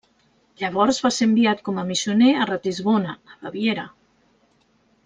Llavors va ser enviat com a missioner a Ratisbona, a Baviera.